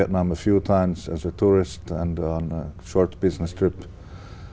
đặc biệt là trường hợp học sinh